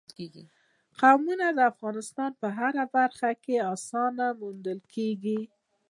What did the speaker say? قومونه د افغانستان په هره برخه کې په اسانۍ موندل کېږي.